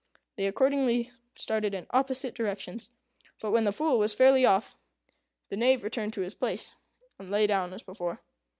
They accordingly started in opposite directions; but when the Fool was fairly off, the Knave returned to his place, and lay down as before.